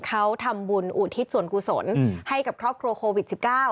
เขาทำบุญอุทิศส่วนกุศลให้กับครอบครัวโควิด๑๙